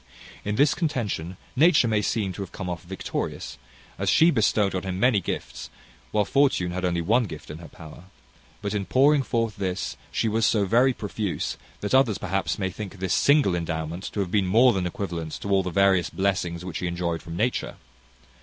In this contention, nature may seem to some to have come off victorious, as she bestowed on him many gifts, while fortune had only one gift in her power; but in pouring forth this, she was so very profuse, that others perhaps may think this single endowment to have been more than equivalent to all the various blessings which he enjoyed from nature.